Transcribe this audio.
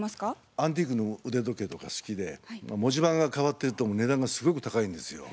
アンティークの腕時計とか好きで文字盤が変わってると値段がすごく高いんですよ。